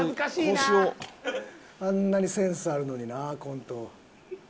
あんなにセンスあるのになコント。